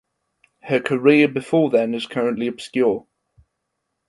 Her career before then is currently obscure.